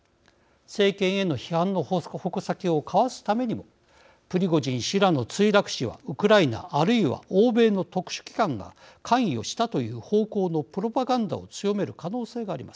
政権への批判の矛先をかわすためにもプリゴジン氏らの墜落死はウクライナあるいは欧米の特殊機関が関与したという方向のプロパガンダを強める可能性があります。